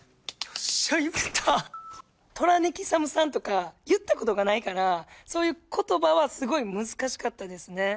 トラネキサム酸とか、言ったことがないから、そういうことばはすごい難しかったですね。